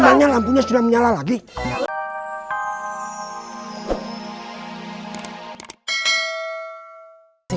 soalnya lampunya sudah menyala lagi